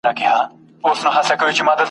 زما په عقیده د شعر پیغام !.